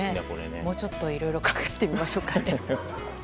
もうちょっといろいろ考えてみましょうかね。